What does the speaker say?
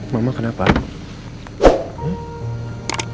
yaudah kita ngobrol di dalam ya